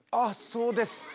そうですか。